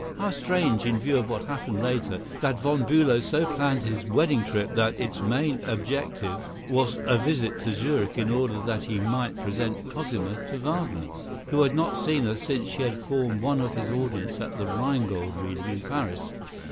How strange, in view of what happened later, that Von Bülow so planned his wedding trip that its main objective was a visit to Zurich in order that he might present Cosima to Wagner, who had not seen her since she had formed one of his audience at the "Rheingold" reading in Paris.